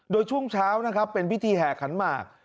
โดยช่วงเช้าเป็นพิธีแห่ขันหมาก